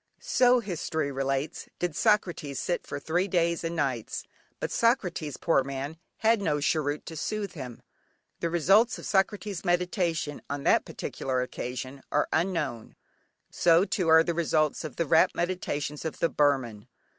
So, history relates, did Socrates sit for three days and nights, but Socrates, poor man, had no cheroot to soothe him. The results of Socrates' meditation on that particular occasion are unknown; so too are the results of the rapt meditations of the Burman.